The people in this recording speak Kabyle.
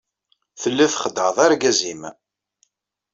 Telliḍ txeddɛeḍ argaz-nnem.